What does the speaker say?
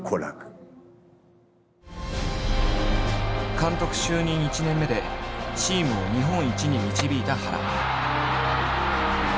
監督就任１年目でチームを日本一に導いた原。